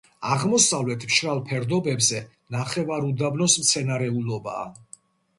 აღმოსავლეთ მშრალ ფერდობებზე ნახევარუდაბნოს მცენარეულობაა.